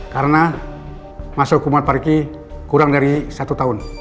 karena masa hukumat pariki kurang dari satu tahun